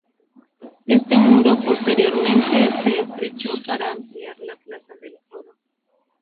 Este muro posteriormente se estrechó para ampliar la plaza del foro.